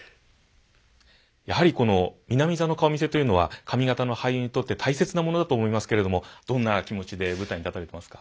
やはりこの南座の顔見世というのは上方の俳優にとって大切なものだと思いますけれどもどんな気持ちで舞台に立たれてますか？